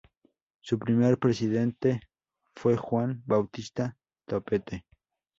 Su primer presidente fue Juan Bautista Topete.